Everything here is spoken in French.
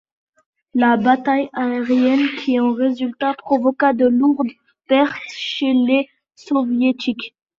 La bataille aérienne qui en résulta provoqua de lourdes pertes chez les soviétiques.